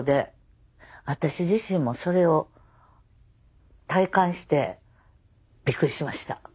私自身もそれを体感してびっくりしました。